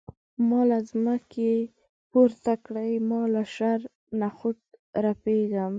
ما له ځمکې پورته کړي ما له شرم نخوت رپیږم.